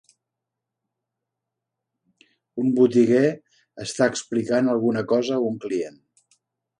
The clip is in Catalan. Un botiguer està explicant alguna cosa a un client.